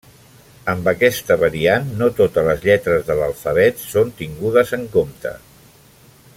Amb aquesta variant, no totes les lletres de l'alfabet són tingudes en compte.